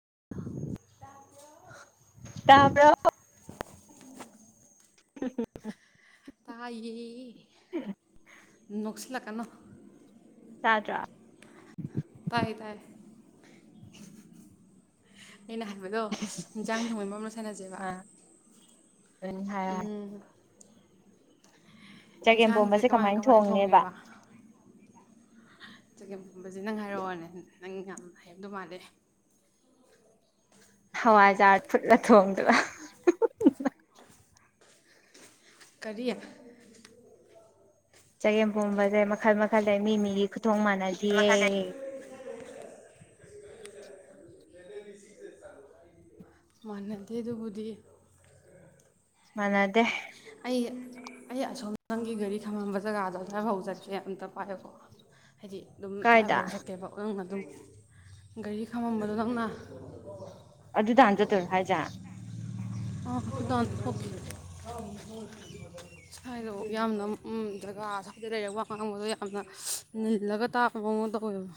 [inaudible] ꯇꯕ꯭ꯔ ꯎ ꯇꯥꯏꯌꯦ ꯅꯁꯂ ꯑꯃꯣ ꯇꯥꯖ꯭ꯔꯥ ꯇꯥꯏ ꯇꯥꯏ ꯑꯩꯅ ꯍꯥꯏꯕꯗꯣ ꯌꯦꯟꯁꯥꯡ ꯊꯣꯡꯃꯩ ꯃꯔꯝꯗ ꯁꯥꯟꯅꯁꯦꯕ ꯑ ꯎꯝ ꯍꯥꯏ ꯎꯝ ꯆꯒꯦꯝ ꯏꯟꯁꯥꯡꯁꯦ ꯄꯣꯝꯕꯁꯦ ꯀꯃꯥꯏ ꯀꯃꯥꯏꯅ ꯀꯃꯥꯏ ꯊꯣꯡꯅꯦꯕ ꯊꯣꯡꯉꯦꯕ ꯎꯝ ꯍꯥꯏ ꯑꯗꯨ ꯃꯥꯜꯂꯦ ꯍꯋꯥꯖꯥꯔ ꯐꯨꯠꯂ ꯊꯣꯡꯗꯨꯕ ꯀꯌꯥ ꯆꯒꯦꯝ ꯄꯣꯝꯕꯁꯦ ꯃꯈꯜ ꯃꯈꯜꯁ ꯃꯤ ꯃꯤꯒꯤ ꯈꯨꯊꯣꯡ ꯃꯥꯟꯅꯗꯌꯦ ꯃꯥꯟꯅꯗꯦ ꯑꯗꯨꯕꯨꯗꯤ ꯃꯅꯥꯗꯦ ꯑꯩ ꯑꯩ ꯑꯁꯣꯝꯗꯪꯒꯤ ꯒꯥꯔꯤ ꯈꯝꯂꯝꯝꯕ ꯖꯒꯥꯗꯣ ꯑꯗꯨ꯭ꯋꯥꯏꯐꯥꯎ ꯆꯠꯀꯦ ꯑꯝꯇ ꯄꯥꯏꯀꯣ ꯍꯥꯏꯗꯤ ꯑꯗꯨꯝ ꯀꯥꯏꯗ ꯇꯥꯏꯐ ꯍꯧꯥꯎ ꯁꯛꯀꯦꯕꯪ ꯑꯗꯨꯝ ꯒꯥꯔꯤ ꯈꯥꯝꯃꯝꯕꯗꯣ ꯅꯪꯅ ꯑꯗꯨꯗ ꯍꯥꯟ ꯆꯠꯇꯣꯏꯔꯣ ꯍꯥꯏꯖꯥꯠ ꯑ ꯁ꯭ꯋꯥꯏꯗꯣ ꯌꯥꯝꯅ ꯖꯒꯥ ꯁ꯭ꯋꯥꯏꯗ ꯂꯩꯔꯛ ꯋꯥ ꯉꯥꯡꯕꯗꯣ ꯌꯥꯝꯅ ꯅꯤꯜꯂꯒ ꯇꯥꯛꯄ ꯃꯑꯣꯡ ꯇꯧꯋꯦꯕ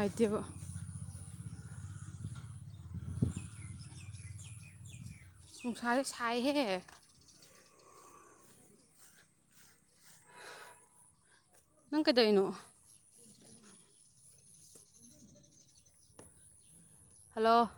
ꯥꯏꯇꯕ ꯇꯨꯡꯁꯥꯔꯦ ꯁꯥꯏꯍꯦ ꯅꯣꯡ ꯀꯗꯩꯅ ꯍꯜꯂꯣ